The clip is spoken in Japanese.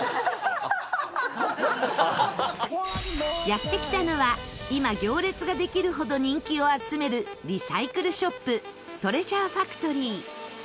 やって来たのは今行列ができるほど人気を集めるリサイクルショップトレジャーファクトリー。